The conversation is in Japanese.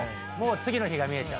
次の日が見えちゃう。